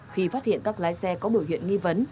khi phát hiện các lái xe có biểu hiện nghi vấn